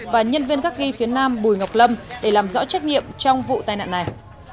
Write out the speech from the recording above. và nhân viên gác ghi phía nam bùi ngọc lâm để làm rõ trách nhiệm trong vụ tai nạn này